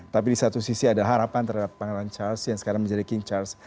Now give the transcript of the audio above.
tapi di satu sisi ada harapan terhadap pangeran charles yang sekarang menjadi king charles